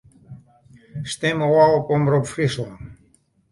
Stim ôf op Omrop Fryslân.